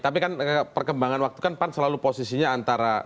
tapi kan perkembangan waktu kan pan selalu posisinya antara